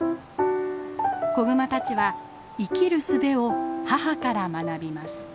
小熊たちは生きるすべを母から学びます。